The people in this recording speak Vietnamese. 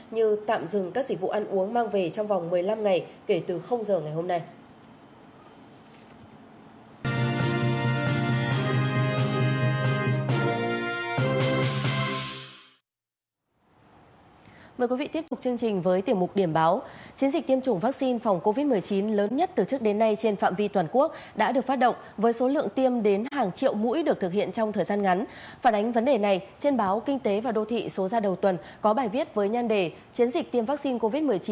như tạm dừng các dịch vụ ăn uống mang về trong vòng một mươi năm ngày kể từ giờ ngày hôm nay